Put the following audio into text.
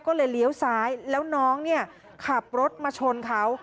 ก็เลยเลี้ยวซ้ายแล้วน้องเนี่ยขับรถมาชนเขา